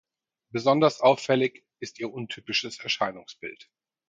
Besonders auffällig ist ihr untypisches Erscheinungsbild.